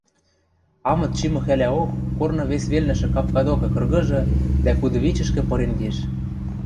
Амыт чимӹ хӓлӓок корны вес велнӹшӹ капка докы кыргыжы дӓ кудывичӹшкӹ пырен кеш.